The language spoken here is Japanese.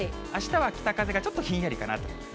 あしたは北風がちょっとひんやりかなと。